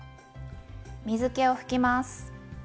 水けを拭きます。